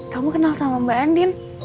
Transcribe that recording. kamu kenal sama mbak andin